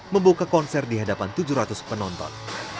membuka konser di hadapan tujuh ratus penonton